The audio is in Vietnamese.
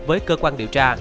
với cơ quan điều tra